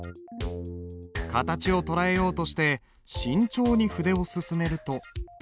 形を捉えようとして慎重に筆を進めると。